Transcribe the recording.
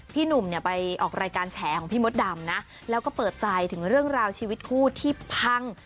พี่หนุ่มเนี่ยไปออกรายการแฉของพี่มดดำนะแล้วก็เปิดใจถึงเรื่องราวชีวิตคู่ที่พัง